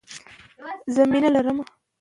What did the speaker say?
زده کړه د سوله ییزو ټولنو یو اساس دی.